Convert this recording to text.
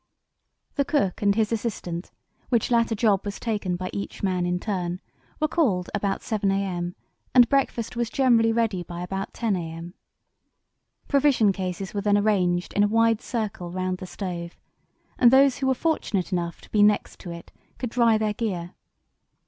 The cook and his assistant, which latter job was taken by each man in turn, were called about 7 a.m., and breakfast was generally ready by about 10 a.m. Provision cases were then arranged in a wide circle round the stove, and those who were fortunate enough to be next to it could dry their gear.